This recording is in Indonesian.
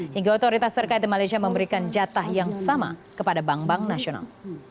hingga otoritas terkait di malaysia memberikan jatah yang sama kepada bank bank nasional